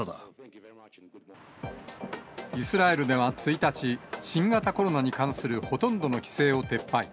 イスラエルでは１日、新型コロナに関するほとんどの規制を撤廃。